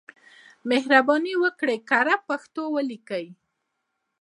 مهرباني وکړئ کره پښتو ولیکئ.